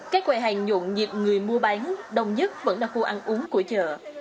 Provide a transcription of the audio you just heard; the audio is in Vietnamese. các quầy hàng dụng dịp người mua bán đông nhất vẫn là khu ăn uống của chợ